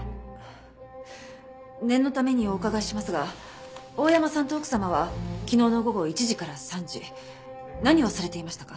念のためにお伺いしますが大山さんと奥様は昨日の午後１時から３時何をされていましたか？